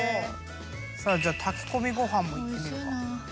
さあじゃあ炊き込みご飯もいってみようか。